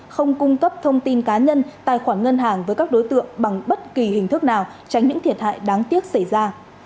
không cung cấp thông tin cá nhân tài khoản ngân hàng với các đối tượng bằng bất kỳ hình thức nào tránh những thiệt hại đáng tiếc xảy ra